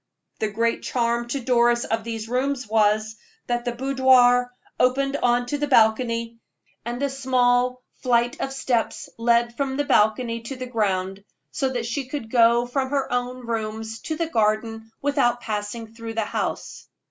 The great charm to Doris of these rooms was, that the boudoir opened on to a balcony, and a small flight of steps led from the balcony to the ground, so that she could go from her own rooms to the gardens without passing through the house.